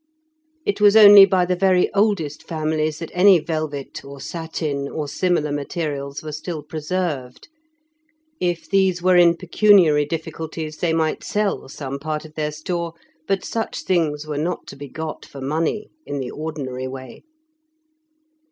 It was only by the very oldest families that any velvet or satin or similar materials were still preserved; if these were in pecuniary difficulties they might sell some part of their store, but such things were not to be got for money in the ordinary way.